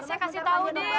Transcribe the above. saya kasih tau nih